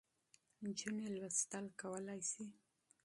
نجونې لوستل کولای سي.